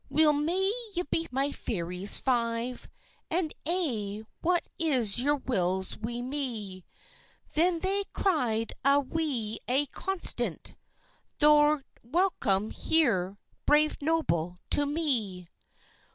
"Weel may ye be, my feiries five! And aye, what is your wills wi' me?" Then they cry'd a' wi' ae consent, "Thou'rt welcome here, brave Noble, to me.